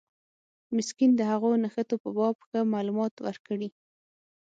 مسکین د هغو نښتو په باب ښه معلومات ورکړي.